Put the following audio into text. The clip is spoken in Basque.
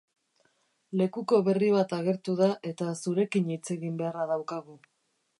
Lekuko berri bat agertu da eta zurekin hitz egin beharra daukagu.